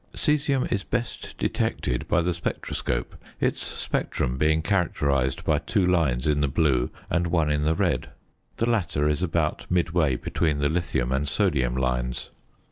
Caesium is best detected by the spectroscope, its spectrum being characterised by two lines in the blue and one in the red; the latter is about midway between the lithium and sodium lines.